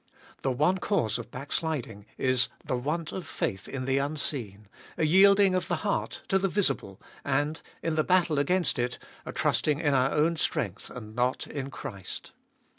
The one cause of backsliding is the want of faith in the unseen, a yielding of the heart to the visible, and, in the battle against it, a trusting in our own strength and not in Christ.